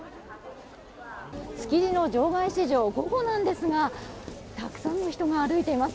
築地の場外市場午後なんですがたくさんの人が歩いています。